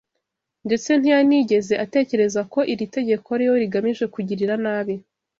ndetse ntiyanigeze atekereza ko iri tegeko ari we rigamije kugirira nabi